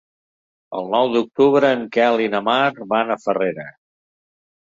El nou d'octubre en Quel i na Mar van a Farrera.